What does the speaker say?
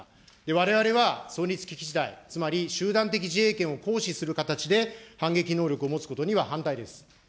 われわれは存立危機事態、つまり集団的自衛権を行使する形で、反撃能力を持つことには反対です。